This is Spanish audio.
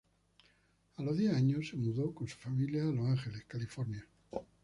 A los diez años se mudó con su familia a Los Ángeles, California.